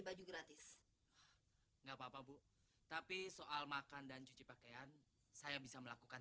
baju gratis enggak papa bu tapi soal makan dan cuci pakaian saya bisa melakukan